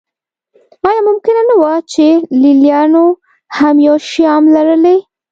ایا ممکنه نه وه چې لېلیانو هم یو شیام لرلی.